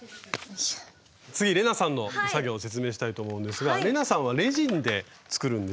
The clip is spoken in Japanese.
次玲奈さんの作業を説明したいと思うんですが玲奈さんはレジンで作るんですけど。